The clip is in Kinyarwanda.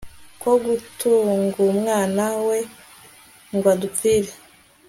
ko gutangUmwana we ngw adupfire